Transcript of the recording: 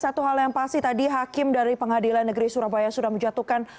satu hal yang pasti tadi hakim dari pengadilan negeri surabaya sudah menjatuhkan